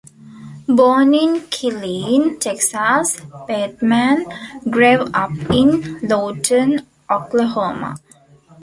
Born in Killeen, Texas, Bateman grew up in Lawton, Oklahoma.